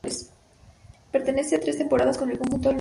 Permanece tres temporadas con el conjunto lucense.